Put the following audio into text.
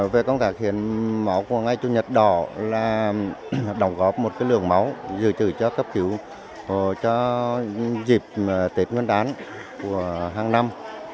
về công tác hiến máu của ngày chủ nhật đỏ là hợp đồng góp một lượng máu dự trữ cho dịp tết nguyên đán của hàng năm